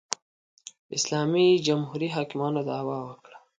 اسلامي جمهوري حاکمانو دعوا وکړه